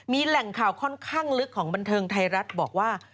มีแหล่งข่าวค่อนข้างลึกของบันเทิงไทยรัฐบอกว่า